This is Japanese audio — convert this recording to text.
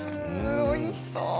おいしそう。